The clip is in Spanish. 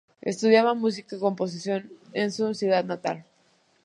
Estudiaba música y composición en su ciudad natal.